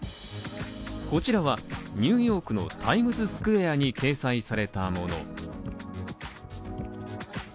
こちらは、ニューヨークのタイムズスクエアに掲載されたもの。